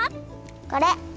これ！